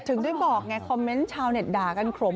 ถึงได้บอกไงคอมเมนต์ชาวเน็ตด่ากันขลม